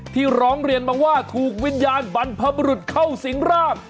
ร้องเรียนมาว่าถูกวิญญาณบรรพบรุษเข้าสิงร่าง